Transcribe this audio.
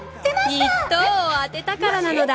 １等を当てたからなのだ